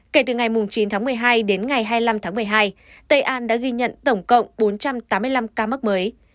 kể từ ngày chín tháng một mươi hai đến ngày hai mươi năm tháng một mươi hai tây an đã ghi nhận tổng cộng bốn trăm tám mươi năm ca mắc mới